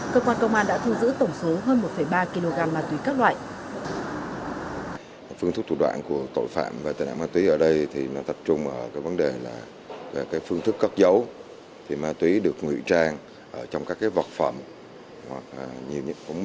cơ quan công an đã thu giữ tổng số hơn một ba kg ma túy các loại